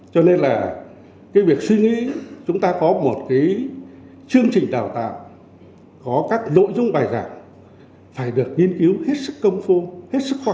cho nên là cái việc suy nghĩ chúng ta có một cái chương trình đào tạo có các nội dung bài giảng phải được nghiên cứu hết sức công phu hết sức khó